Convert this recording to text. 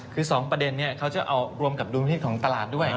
คือสองประเด็นนี่เขาจะเอารวมกับธุรกิจของตลาดด้วย